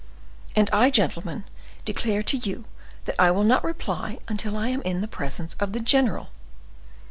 "And I, gentlemen, declare to you that I will not reply until I am in the presence of the general."